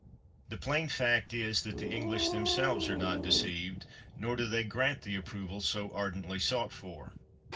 The plain fact is that the English themselves are not deceived, nor do they grant the approval so ardently sought for.